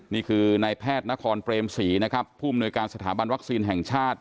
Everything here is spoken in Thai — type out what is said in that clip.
นี่คือนายแพทย์นครเปรมศรีนะครับผู้อำนวยการสถาบันวัคซีนแห่งชาติ